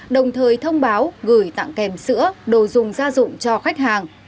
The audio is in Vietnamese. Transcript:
đồng thời thông báo gửi tặng kèm sữa đồ dùng gia dụng cho khách hàng